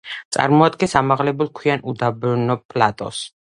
წარმოადგენს ამაღლებულ ქვიან უდაბნო პლატოს.